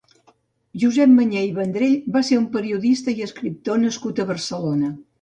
Josep Manyé i Vendrell va ser un periodista i escriptor nascut a Barcelona.